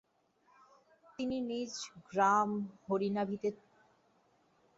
তিনি নিজগ্রাম হরিনাভিতে চতুষ্পাঠী খুলে অধ্যাপনার দ্বারা বাকি জীবন অতিবাহিত করেন।